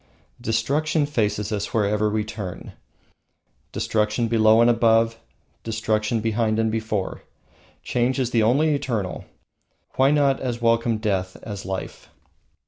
Destruction faces us wherever we turn. Destruction below and above, destruction behind and before. Change is the only Eternal, why not as welcome Death as Life?